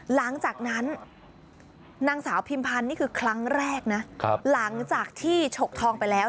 หลังจากนั้นนางสาวพิมพันธ์นี่คือครั้งแรกนะหลังจากที่ฉกทองไปแล้ว